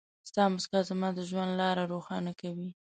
ستا مسکا زما د ژوند لاره روښانه کوي.